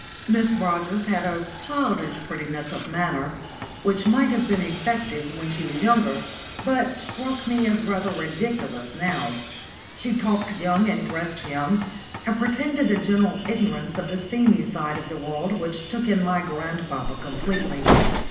Miss Rogers had a childish prettiness of manner, which might have been effective when she was younger, but struck me as rather ridiculous now. She talked young and dressed young, and pretended a general ignorance of the seamy side of the world which took in my grandpapa completely.